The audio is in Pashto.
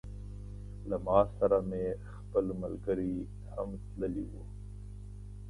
له ما سره مې خپل ملګري هم تللي وه.